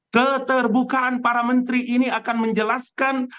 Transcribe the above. keterbukaan para menteri ini akan menjelaskan